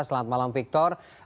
selamat malam victor